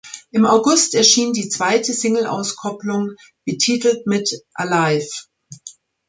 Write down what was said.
Im August erschien die zweite Singleauskopplung, betitelt mit "Alive".